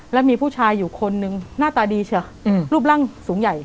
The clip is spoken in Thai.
แล้วมีผู้ชายอยู่คนนึงหน้าตาดีเชียวรูปร่างสูงใหญ่